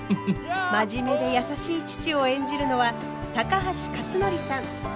真面目で優しい父を演じるのは高橋克典さん。